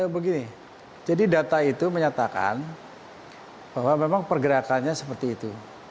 begini jadi data itu menyatakan bahwa memang pergerakannya seperti itu